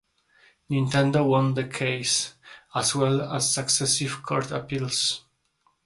Nintendo won the case, as well as successive court appeals.